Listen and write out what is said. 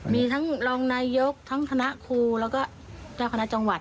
มีทั้งรองนายกทั้งคณะครูแล้วก็เจ้าคณะจังหวัด